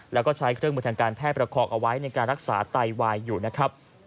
แล้วก็ใช้เครื่องมือทางการแพทย์ประคองเอาไว้ในการรักษาไตวายอยู่นะครับ